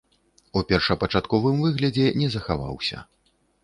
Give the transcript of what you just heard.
У першапачатковым выглядзе не захаваўся.